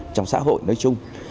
trong xã hội nói chung